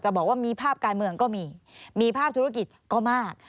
บอกว่ามีภาพการเมืองก็มีมีภาพธุรกิจก็มาก